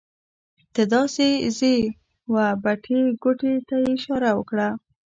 ته داسې ځې وه بټې ګوتې ته یې اشاره وکړه.